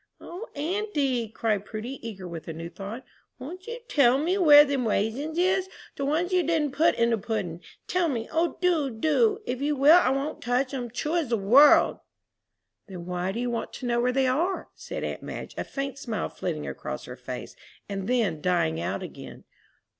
"O auntie," cried Prudy, eager with a new thought, "won't you tell me where them raisins is the ones you didn't put in the pudding? Tell me, O, do, do! If you will, I won't touch 'em, true as the world." "Then why do you want to know where they are?" said aunt Madge, a faint smile flitting across her face and then dying out again.